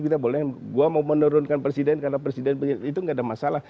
kita boleh gue mau menurunkan presiden karena presiden itu gak ada masalah